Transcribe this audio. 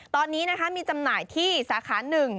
ตอนนี้นะคะมีจำหน่ายที่สาขาหนึ่ง